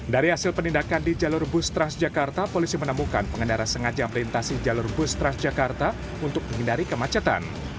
dari hasil penindakan di jalur bus transjakarta polisi menemukan pengendara sengaja melintasi jalur bus transjakarta untuk menghindari kemacetan